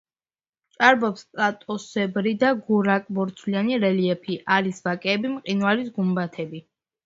ჭარბობს პლატოსებრი და გორაკ-ბორცვიანი რელიეფი, არის ვაკეები, მყინვარის გუმბათები.